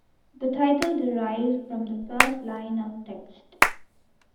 The title derives from the first line of text.